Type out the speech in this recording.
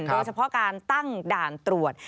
โดยเฉพาะการตั้งด่านตรวจ